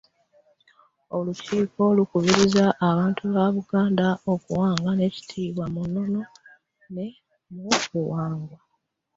Olukiiko lukubiriza abantu ba Buganda okuwangana ekitiibwa mu nnono n'obuwangwa